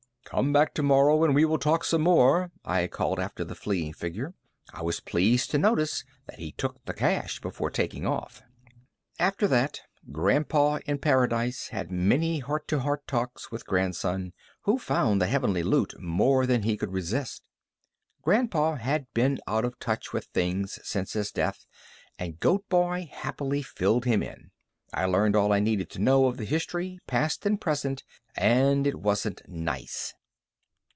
"Come back tomorrow and we will talk some more," I called after the fleeing figure. I was pleased to notice that he took the cash before taking off. After that, Grandpa in paradise had many heart to heart talks with Grandson, who found the heavenly loot more than he could resist. Grandpa had been out of touch with things since his death and Goat boy happily filled him in. I learned all I needed to know of the history, past and recent, and it wasn't nice.